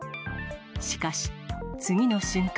しかし、次の瞬間。